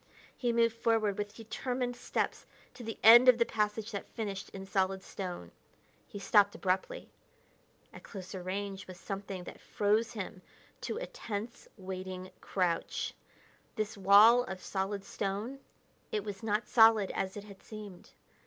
He moved forward with determined steps to the end of the passage that finished in solid stone. He stopped abruptly. At closer range was something that froze him to a tense, waiting crouch. This wall of solid stone it was not solid as it had seemed.